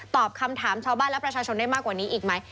ตอบคำถามชาวบ้านและประชาชนได้มากกว่านี้อีกไหม